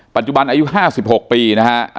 ปัจจุบันอายุห้าสิบหกปีนะฮะ